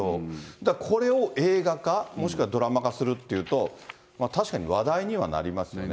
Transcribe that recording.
だからこれを映画化、もしくはドラマ化するっていうと、確かに話題にはなりますよね。